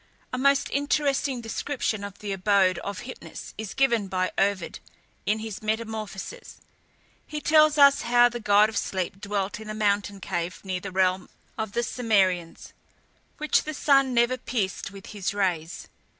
A most interesting description of the abode of Hypnus is given by Ovid in his Metamorphoses. He tells us how the god of Sleep dwelt in a mountain cave near the realm of the Cimmerians, which the sun never pierced with his rays.